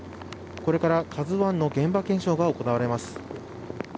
これから「ＫＡＺＵⅠ」の現場検証が行われます。